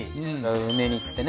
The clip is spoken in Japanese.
梅煮っつってね。